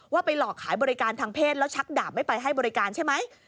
ว่าไปหลอกขายบริการทางเพศแล้วชักดาบไม่ไปให้บริการใช่ไหม